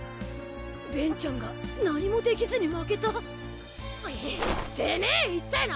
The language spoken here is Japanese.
ベンちゃんが何もできずに負けた。